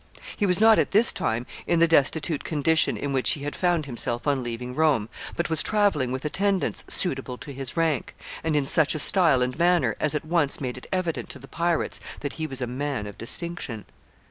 He was not at this time in the destitute condition in which he had found himself on leaving Rome, but was traveling with attendants suitable to his rank, and in such a style and manner as at once made it evident to the pirates that he was a man of distinction.